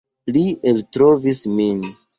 Li eltrovis min.